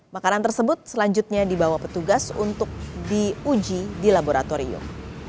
makanan tersebut selanjutnya dibawa petugas untuk diuji di laboratorium